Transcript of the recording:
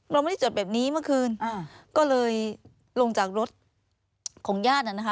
เราไม่ได้จอดแบบนี้เมื่อคืนก็เลยลงจากรถของญาติ